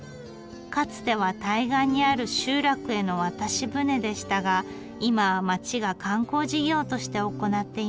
かつては対岸にある集落への渡し舟でしたが今は町が観光事業として行っています。